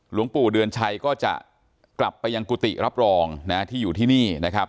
หลวงปู่เดือนชัยก็จะกลับไปยังกุฏิรับรองนะที่อยู่ที่นี่นะครับ